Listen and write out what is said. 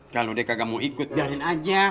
kalau deh kagak mau ikut jalin aja